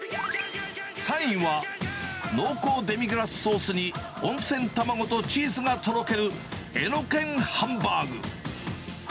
３位は、濃厚デミグラスソースに温泉卵とチーズがとろける、榎研ハンバーグ。